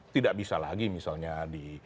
tidak bisa lagi misalnya di